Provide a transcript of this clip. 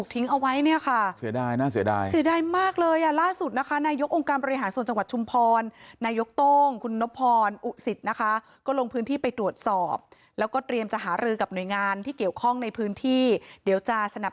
แต่ของเก่าเยอะมากเลยนะ